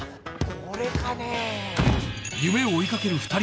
これかねぇ？